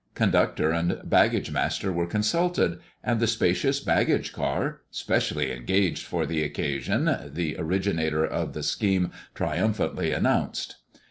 Conductor and baggage master were consulted, and the spacious baggage car "specially engaged for the occasion," the originator of the scheme triumphantly announced.